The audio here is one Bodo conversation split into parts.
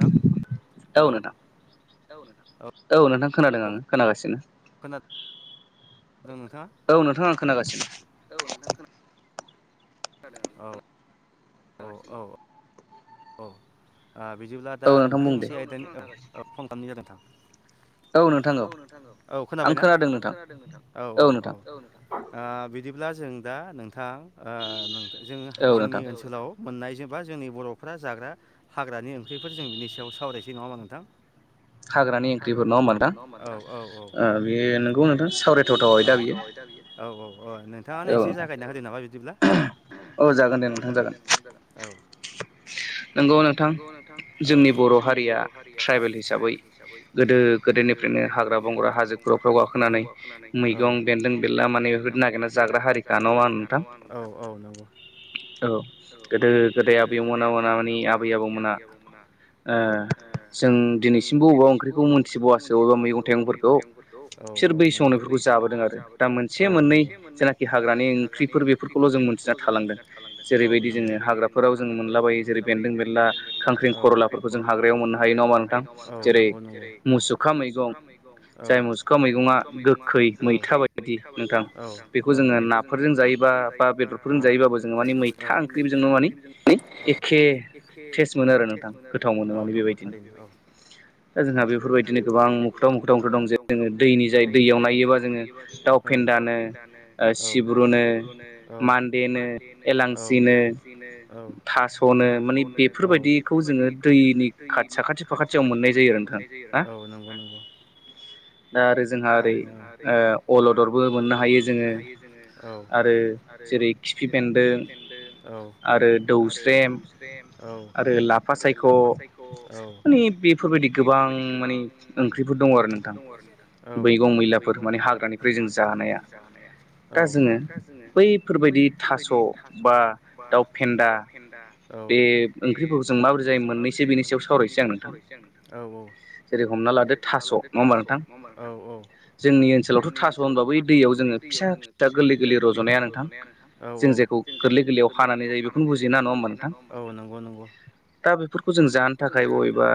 नोंथां हेलौ औ नोंथां खोनादों आङो, खोनागासिनो। औ नोंथां आं खोनागासिनो। खोनादों आं खोनागासिनो औ औ औ औ। ओ बिदिब्ला दा नोंथांनि मोनसे आयदानि औ फन खालामनाय जादों नोंथां। औ औ नोंथां औ औ खोनाबायना? आं खोनादों नोंथां। औ औ औ औ नोंथां, ओ बिदि ब्ला जों दा नोंथां ओ नों जों-जोंनि ओनसोलाव मोननाय जेनबा जोंनि बर' फ्रा जाग्रा हाग्रानि ओंख्रिफोर जों बिनि सायाव सावरायसै, नङा होनबा नोंथां? हाग्रानि ओंख्रिफोर नङा होमबा नोंथां? औ औ औ, ओ बेयो नोंगौ नोंथां सावरायथाव थावा आयदा बियो अ' नोंथाङानो एसे जागायना होदो नामा बिदिब्ला। औ जागोन दे नोंथां जागोन औ। नोंगौ नोंथां, जोंनि बर' हारिया ट्राइबेल हिसाबै गोदो-गोदोनिफ्रायनो नो हाग्रा-बंग्रा हाजो खर'फ्राव गाखोनानै मैगं बेन्दों-बेदला माने बेफोरदि नागिरना जाग्रा हारिखा जाग्रा हारिखा नङा होनबा नोंथां? औ औ नंगौ। औ गोदो-गोदाय आबै गोदाय आबेव मोना मानि आबै-आबौमोनहा औ ओ जों दिनैसिमबो अबाव ओंख्रिखौ मिनथिबावासो अबेबा मैगं-थाइगंफोरखौ औ औ नंगौ। बिसोर बै समावनो बिफोरखौ जाबोदों आरो, औ औ, जों मोनसे जेनाखि हाग्रानि ओंख्रिफोर बेफोरखौल' जों मोनथिना थालांदों। थालांदों। औ नंगौ। जेरैबायदि जोङो हाग्रा -बंग्रा मोनला बायो जेरै-बेन्दों-बेदला, खांख्रिं खरलाफोरखौ जों हाग्रायाव मोननो हायो। नङा होनबा नोंथां? जेरै मुसुखा मैगं जाय मुसुखा मैगङा गोखै मैथा बायदि नोंथां। बेखौ जोङो नाफोरजों जायोबा बा बेदरफोरजों जायोबाबो जोङो माने मैथा ओंख्रिजोंनो मानि एखे टेस मोनो आरो नोंथां गोथाव मोनो माने बेबायदिनो। दा जोंहा बेफोरबायदिनो गोबां मुखुथाव मुखुथाव ओंख्रि दं जेरै- जोङो दैनि जाय दैयाव नायोबा जोङो दाउ औ दावफेन्दानो औ ओ सिब्रुनो औ मान्दे नो औे हेलांसिनो औ थास'नो माने बेफोरबायदिखौ जोङो दैनि खाथि साखाथि-फाखाथियाव मोननाय जायो आरो नोंथां। औ नंगौ नंगौ। दा आरो जोंहा ओरै ओ अलदरबो मोननो हायो जोङो आरो जेरै खिफिबेन खिफिबेन्दों औ आरो दौस्रेम औ आरो लाफा सायख' औ माने बेफोरबाय दि गोबां माने ओंख्रिफोर दङ आरो नोंथां औ मैगं-मैलाफोर माने हाग्रानिफ्राय जों जा नाया औ दा जोङो बैफोरबायदि थास' बा दाउ फेन्दा औ बे ओंख्रिफोरखौ जों माबोरै जायो मोननैसो बेनि सायाव सावरायनोसै आं नोंथां। औ औ। जेरै- हमना लादो थास', नङा होनब्ल नोंथां? औ औ। जोंनि ओनसोलावथ' थास' होनबो बै दैयाव जोङो फिसा फिसा गोरलै गोरलै रज'नाया नोंथां जों जायखौ गोरलै गोरलैयाव हानानै जायो बे खौनो बुजियोना नङा होनबा? औ नंगौ नंगौ दा बेफोरखौ जों जानो थाखाय बबेबा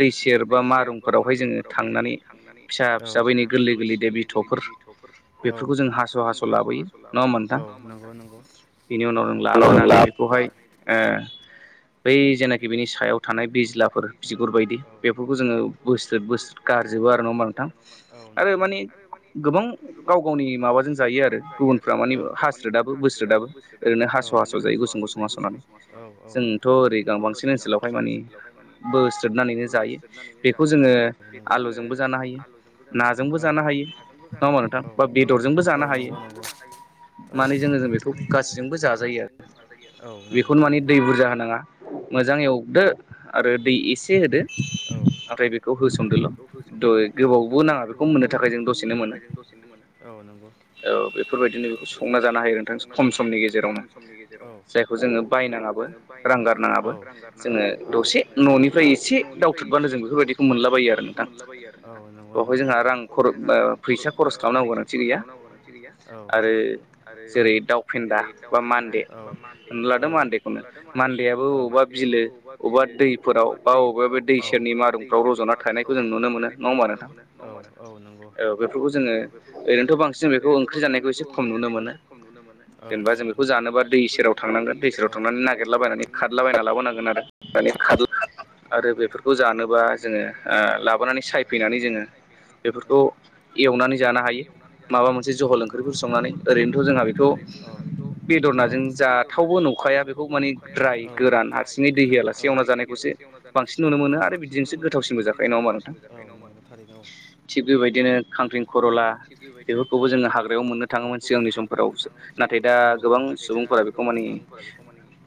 दै सेर बा मारुंफोरावहाय जोङो थांनानै औ फिसा फिसाबैनि गोरलै गोरलै दे बिथथ'फोर औ बेफोरखौ जों हास' हास' लाबोयो। औ नंगौ। बिनि उनाव जों लाबोनानै बेखौहाय ओ बै जेनाखि बेनि सायाव थानाय बिज्लाफोर बिगुर बायदि बेफोरखौ जोङो बोस्रोद बोस्रोद गा गारजोबो आरो ना नोंथां आरो माने गोबां गाव गावनि माबाजों जायो आरो गुब फ्रा माने हास्रोदाबो बोस्रोदाबो ओरैनो ओरैनो हास' हास' जायो गुसुं गुसुं हास' जोंथ' ओरै बांसिन ओनसोलावहाय माने स्रदनानैनो जायो बेखौ जोङो आलुजोंबो जानो हायो नाजोंबो जानो हायो। औ औ। ज बेखौ गासैजोंबो जाजायो आरो बेखौनो माने दै बुरजा होनाङा मोजाङ एवदो आरो दै एसे होदो औ। ओमफ्राय बेखौ होसोमदोल' औ गोबावबो नाङा बेखौ मोननो थाखाय जों दसेनो मोनो औ नांगौ। औ बेफोरबायदिनो बेखौ संना ज संना जानो हायो आरो नोंथां ख'म समनि गेजेराव जायखौ जों बायनाङाबो गारनाङाबो जोङो दसे न'निफ्राय एसे दावथदबानो जों बेफोरबायदिखौ मोनलाबायो आरो औ नंगौ नगौ थारैनो बेहाय जोंहा रां खर ओ फैसा खरस खालामनांगौ नोंसि गैया औ आरो जेरै दावफेन्दा बा मान्दे ननो लादों मान्देखौनो मान्दे लो अबा दैफोराव बा अबाव फोराव बा बबेबा बबे दै सेरनि मारुंफ्राव रज'ना थानायनायखौ जों नुनो मोनो औ औ नंगौ जोङो ओरैनोथ' बांसिन बेखौ ओंख्रि जानायखौ एसे खम नुनो मोनो। खम नुनो मोनो औ औ जेनेबा जों बेखौ जानोबा दै सेराव थांनांगोन दै सेराव थांनानै नागिर माने [unintelligible] आरो बेफोरखौ जानोबा जोङो ओ लाबोनानै सायफैनानै जोङो बेफोरखौ एवनानै जानो हायो माबा मोनसे जहल ओंख्रिफोर संनानै ओरैनो सनानै ओरैनोथ' जोंहा बेखौ बेदरनाजों जाथावबो नुखाया बेखौ द्राय गोरान हारसिङै दै गैयालासे एवना औ जानायखौसो बांसिन नुनो मोनो आरो बिदिनोसो गोथावसिनबो ज न औ। थिग बेबायदिनो खांख्रिं खर'ला बेफोरखौबो जोङो हाग्रायाव मोननो थाङोमोन सिगांनि सम फोराव नाथाय दा गोबां सुबुंफोरा बेखौ माने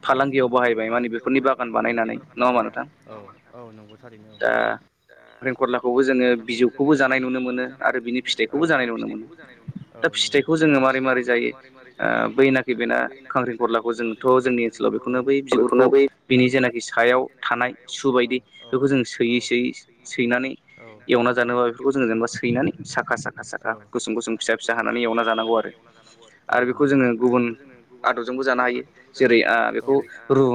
फालांगियाव बाहायबाय माने बेफोरनि बाय मनि ब बानायनानै औ औ नंगौ थारैनो औ रेंखरलाखौबो जोङो बिजौखौबो जानाय नुनो मोनो बो जानाय नुनो औ मोनो आरो बिनि फिथखौबो जानाय नुनो मोनो औ नंगौ दा फिथखौ ज ओ बैनाखि बेना खांख्रिंखरलाखौ जोंथ' जोंनि ओनसोलाव बेखौनो बै बिगुरखौ बिनि जेनाखि सायाव थानाय सु बायदि बेखौ जों सोयै सोयै सैनानै एवनानै मा जानोबा बेफोरखौ जोंङ जेनेबा सैनानै साखा साखा साखा गुसुं गुसुं फिसा फिसा हानानै एवना जानांगौ आरो। औ नंगौ आरो बेखौ जोङो गुबुन आबजोंबो जानो हायो औ जेरै आ बे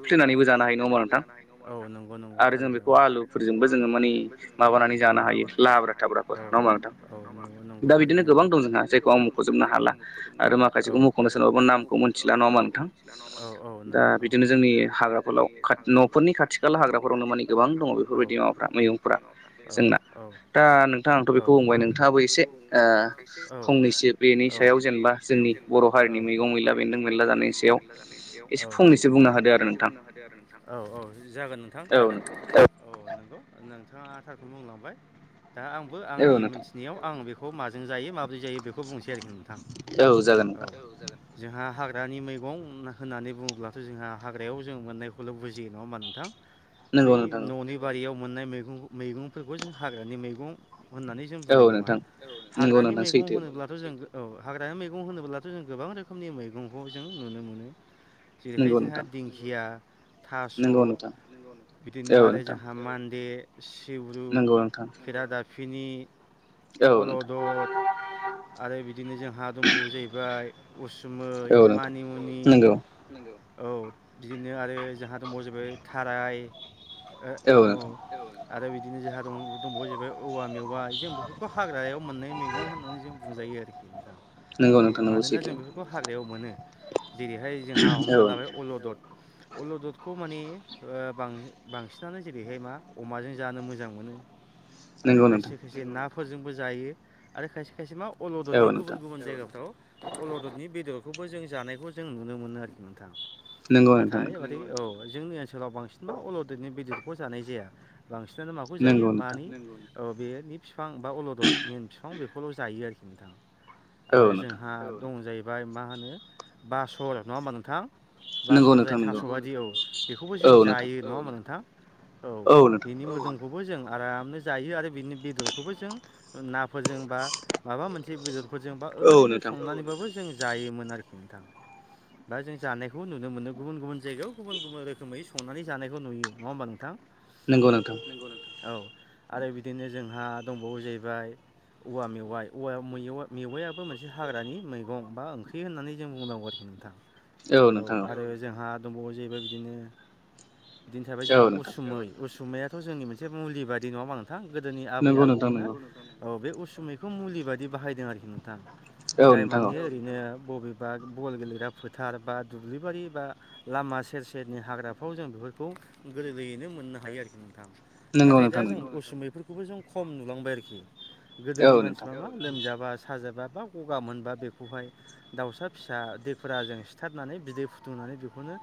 रुनानै सिफ्लेनानैबो जानो हायो नङा नोंथां औ नंगौ नंगौ थारैनो आरो जों बेखौ आलुफोरजोंबो जोङो माने जानो हायो लाब्रा थाब्राफोर नङा हबा नोंथां दा बिदिनो गोबां दं जोंहा जायखौ आं खजोबनो हाला आरो माखासेखौ मुंखुंनो सानबाबा नामखौ मोनथिला नङामा नोंथां दा बिदि बिदिनो जोंनि हाग्राफोराव खा न'फोरनि खाथि खाला हाग्राफोरावनो माने गोबां दङ बेफोरबायदि माबाफ्रा मैगंफ्रा। जोंना दा नोंथाङा आंथ' बेखौ बुंबाय नोंथाङाबो एसे ओ फंनैसो बेनि सायाव जेनबा जोंनि बर' हारिनि मैगं मैला बेन्दों बेनला जानायनि सायाव एसे फंनैसो बुं एसे फंनैसो बुंना होदो आरो नोंथां औ औ जागोन नोंथां जागोन औ नंगौ नों थाङा थारखौनो बुंलांबाय दा आंबो आंनि मोनथिनायाव आं बेखौ माज जों जायो माब्रै जायो बेखौ बुंसै आरोखि नोंथां औ औ जागोनदे जोंहा हाग्रा ग्रानि मैगं होननानै बुङोब्लाथ' जोंहा हाग्रायाव जों मोननायखौल' बुजियो नङा होमबा नोंथां। बै न'नि बारियाव मोननाय मैगं मैगंफोरखौ जों हाग्रानि मैगं होननानै जों बुंनाय नङा हाग्रानि मैगं होनोब्लाथ' जों [inaudible] औ हाग्रानि मैगं होनोब्लाथ' जों गोबां रोखोमनि मैगंखौ जों नुनो मोनो जेरैहाय जोंहा दिंखिया थास' नोंगौ नोंथां बिदिनो आरो जोंहा मान्दे सिब्रु खेरादाफिनि अलदद आरो बिदिनो जोंहा दंबावो जाहैबाय उसुमै मानिमुनि औ बिदिनो आरो जोंहा दंबावजोबो थाराय ओ औ औ आरो बिदिनो जोंहा दंब दंबावो जाहैबाय औवा मेवाइ जों बेफोरखौ हाग्रायाव मोननाय मैगं होननानै जों बुंजायो आरोखि नोंथां बे मानोना जों बेफोरखौ हाग्रायाव मोनो जेरैहाय जोंहा हमना लाबाय अलदद अलददखौ माने ओ बां बांसिनानो जेरैहाय मा अमाजों जानो मोजां मोनो [unintelligible] आरो खायसे खायसे नाफोरजोंबो जायो आरो खायसे खायसे मा अलददनि गुबुन गुबुन जायगाफ्राव अलददनि बेदरखौबो जों जानायखौ जों नुनो मोनो आरोखि नोंथां नाथाय ओरै औ जोंनि ओनसोलाव बांसिन मा अलददनि बेदरखौ जानाय जाया बांसिनानो माखौ जायो मानि नोंगौ नोंथां ओ बेनि फिफां बा अलदद मेन फिफां बे खौल' जायो आरोखि नोंथां आरो जोंहा दं जायो ओमफ्राय मा होनो बासल नङा होमबा नोंथां बासर जाय थास' बायदि औ बेखौबो जों जायो नङा होमबा नोंथां औ बेनि मोदोमखौबो जों आरामनो जायो आरो बिनि बेदरखौबो जों नाफोरजों बा माबा मोनसे बेदर फोरजोंबा ओरैनो संनानैबाबो जों जायोमोन आरोखि नोंथां बा जों जानायखौ नुनो मोनो गुबुन गुबुन जायगायाव गुबुन गुबुन रोखोमै संनानै जानायखौ नुयो नङा होमबा नोंथां नोंगौ औ आरो बिदिनो जोंहा दंबावो जाहैबाय औवा मेवाइ औवा मेवा मेवायाबो मोनसे हाग्रानि मैगं बा ओंख्रि होननानै जों बुंनांगौ आरोखि नोंथां औ आरो जोंहा दंबावो जाहैबाय बिदिनो बिदिनो थाबाय जोंहा उसुमै उसुमैयाथ' जोंनि मोनसे मुलि बादि नङा हो थां गोदोनि आबै आबौमोना औ बे उसुमैखौ मुलि बायदि बाहायदों आरोखि नोंथां जाय मानि ओरैनो बबेबा बल गेलेग्रा फोथार बा दुब्लिबारि बा लामा सेर सेरनि हाग्राफ्राव जों बेफो फोरखौ गोरलैयैनो मोननो हायो आरोखि नोंथां नाथाय दा जों उसुमैफोरखौबो जों खम नुलांबाय आरोखि गोदोनि मानसिफ्रा मा लोमजाबा साजाबा बा गगा मोनबा बेखौहाय दाउसा फिसा दैखुराजों सिथारनानै बिदै फुदुंनानै बेखौनो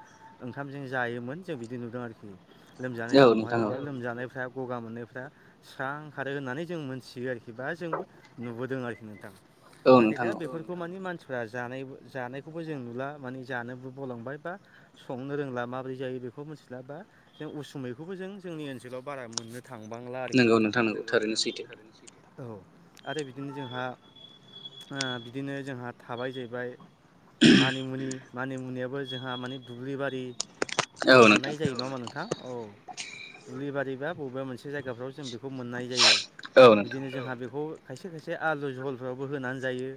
ओंखामजों जायोमोन जों बिदि नुदों आरोखि लोमजानाय समावहाय अब्ला लोमजानायफ्रा गगा मोननायफ्रा स्रां खारो होननानै जों मोनथियो आरोखि बा जोंबो नुबोदों आरोखि नोंथां नाथाय दा बेफोरखौ मानि मानसि फ्रा जानायबो जानायखौबो जों नुला माने जानोबो बलांबाय बा संनो रोंला माबोरै जायो बे खौ मोथिला बा जों उसुमैखौबो जों जोंनि ओनसोलाव बारा मोननो थांबां [inaudible] नोंथां नोंगौ नोंथां नोंगौ थारैनो सैथो औ आरो बिदिनो जोंहा आ बिदिनो जोंहा थाबाय जाहैबाय मानिमुनि मानिमुनियाबो जोंहा माने दुब्लि बारि फ्राव मोननाय जायो नङा होनबा नोंथां औ दुब्लि बारिबा बबेबा मोनसे जायगाफ्राव जों बेखौ मोननाय जायो बिदिनो जोंहा बेखौ खायसे खायसे आलु जहलफोरावबो होनानै जायो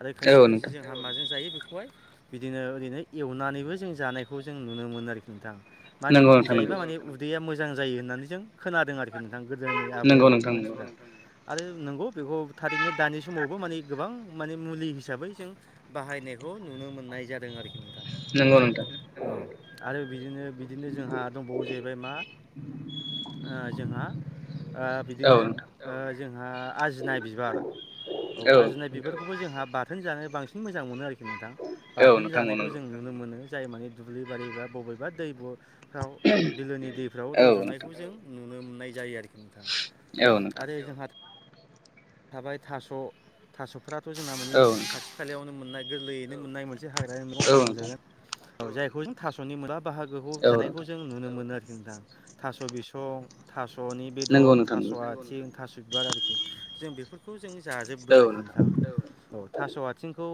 आरो खायसे खायसे जोंहा माजों जायो बेखौ हाय बिदिनो ओरैनो एवनानैबो जों जानायखौ जों नुनो मोनो आरोखि नोंथां मानि मुनि जायोबा माने उदैया मोजां जायो होननानै जों खोनादों आरोखि न गोदोनि आबै आबौनि मानसिफ्रा आरो नंगौ बेखौ थारैनो दानि समावबो माने गोबां माने मुलि हिसाबै जों बाहायनायखौ नुनो मोननाय नाय जादों आरोखि नोंथां औ आरो बिदिनो बिदिनो जोंहा दंबावो जाहैबाय मा जोंहा ओ बिदिनो जोंहा आजिनाय बिबार औ आजुनाय बिफोरखौबो जोंहा बाथोन जानो बांसिन मोजां मोनो आरोखि नोंथां बाथोन जानायखौ जों नुनो मोनो जाय माने दुब्लि बारि बा बबेबा दै ब फाव बिलोनि दैफ्राव रज'नायखौ जों नुनो मोननाय जायो आरोखि नोंथां आरो जोंहा थाबाय थास' थास'फ्राथ' जोंना मानानि खाथि खालायावनो मोननाय गोरलैयैनो मोननाय मोनसे मोनसे हाग्रानि मैगं होननानै बुंजागोन जायखौ जों थास'नि मोना बाहागोखौ जानायखौ जों नुनो मोनो नोथां थास बिसं थासनि बेलर थास आथिं बिबार आरोखि जों बेफोरखौ जों जाजोबो आरोखि नोंथाङा औ थास' आथिं खौ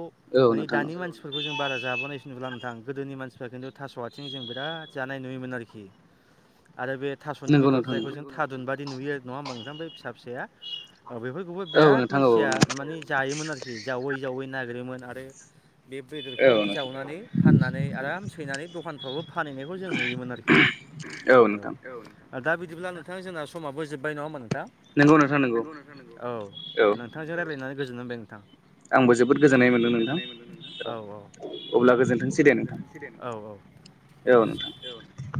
माने दानि मानसिफोरखौ जों बारा जाबोनायस नुला नोंथां गोदोनि मानसिफ्रा खिन्थु थास' आथिं जों बिराद जानाय नुयोमोन आरोखि आरो बे थास'नि बेदर जायखौ जों थारुनबादि नुयो नङा होमबा नोंथां बे फिसा फिसाया औ बेफोरखौबो बिराद मानसिया मानि जायोमोन आरोखि जावै जावै नागिरोमोन आरो बे बेदरखौ माने जावनानै फाननानै आराम सैनानै दखानफ्रावबो फानहैनायखौ जों नुयोमोन आरोखि औ औ दा बिदिब्ला नोंथां जोंना समाबो जोबबाय नङााम नों नोंगौ नोंथां नोंगौ औ नोंथांजों रायज्लायनानै गोजोन मोनबाय नोंथाङा आंबो जोबोद आंबो जोबोद गोजोननाय मोनो नोंथां औ औ औ अब्ला गोजोनथोंसै दे औ औ ओ नोंथां